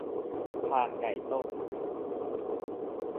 พานไก่ต้ม